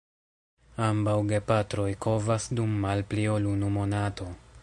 Ambaŭ gepatroj kovas dum malpli ol unu monato.